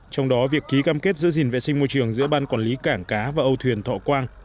trong đó việc ký cam kết giữ gìn vệ sinh môi trường giữa ban quản lý cảng cá và âu thuyền thọ quang